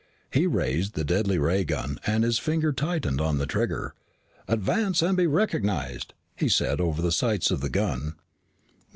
He raised the deadly ray gun, and his finger tightened on the trigger. "Advance and be recognized," he said over the sights of the gun.